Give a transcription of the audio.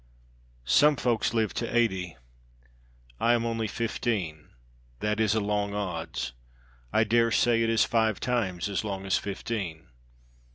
"Some folk live to eighty; I am only fifteen; that is a long odds, I dare say it is five times as long as fifteen.